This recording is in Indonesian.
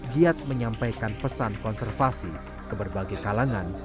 giat menyampaikan pesan konservasi ke berbagai kalangan